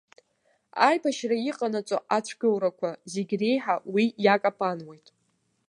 Аибашьра иҟанаҵо ацәгьоурақәа зегь реиҳа уи иакапануеит!